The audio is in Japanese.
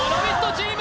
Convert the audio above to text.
チーム